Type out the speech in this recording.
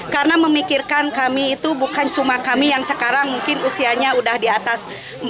karena memikirkan kami itu bukan cuma kami yang sekarang mungkin usianya sudah di atas empat puluh lima puluh